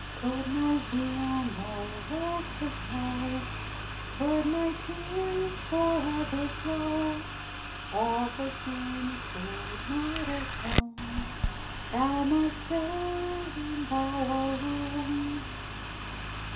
"Could my zeal no respite know, Could my tears forever flow, All for sin could not atone, Thou must save, and Thou alone."